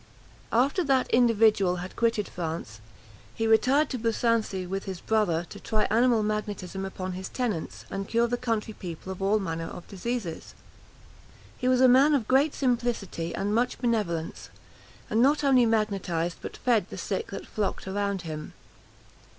After that individual had quitted France, he retired to Busancy, with his brother, to try animal magnetism upon his tenants, and cure the country people of all manner of diseases. He was a man of great simplicity and much benevolence, and not only magnetised but fed the sick that flocked around him.